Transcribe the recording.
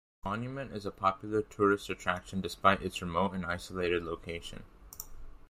The monument is a popular tourist attraction despite its remote and isolated location.